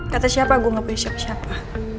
kata siapa gue gak punya siapa siapa